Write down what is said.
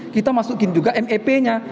kita masukin juga mep nya